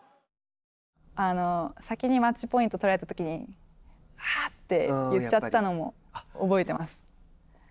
先にマッチポイントを取られたときにああって言っちゃったのも覚えてます。